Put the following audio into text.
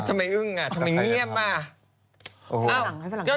ทำไมอึ้งอ่ะทำไมเงียบอ่ะฝรั่งงาน